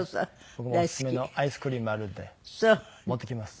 僕もオススメのアイスクリームあるんで持っていきます。